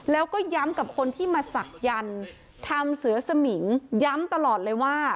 แล้วก็ย้ำกับคนที่มาศักยันต์ทำเสือสมิงย้ำตลอดเลยว่า